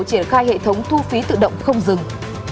triển khai hệ thống thu phí tự động không dừng